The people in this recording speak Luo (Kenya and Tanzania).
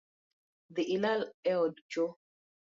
Dhi ila e od cho